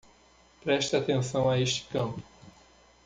Preste atenção a este campo